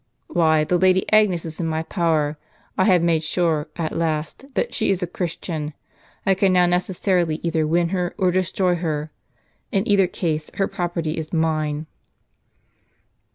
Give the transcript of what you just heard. " "Why, the Lady Agnes is in my power. I have made ^ sure, at last, that she is a Christian. I can now necessarily either win her or destroy her. In either case her property is mine."